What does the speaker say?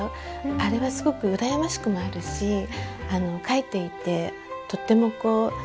あれはすごくうらやましくもあるし書いていてとってもすっきりしました。